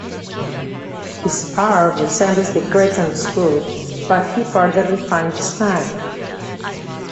His art resembles the Cretan School but he further refined the style.